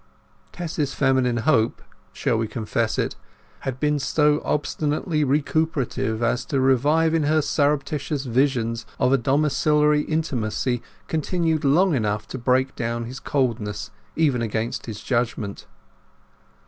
Tess's feminine hope—shall we confess it?—had been so obstinately recuperative as to revive in her surreptitious visions of a domiciliary intimacy continued long enough to break down his coldness even against his judgement.